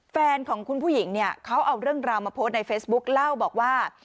แฟนของคุณผู้หญิงเนี่ยเขาเอาเรื่องราวมาโพสต์ในเฟซบุ๊คเล่าบอกว่า